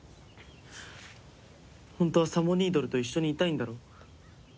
ホントはサボニードルと一緒にいたいんだろ？